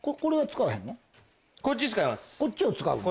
こっちを使うの？